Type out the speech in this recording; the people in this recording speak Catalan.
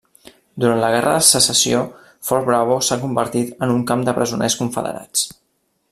Durant la Guerra de Secessió, Fort Bravo s'ha convertit en un camp de presoners confederats.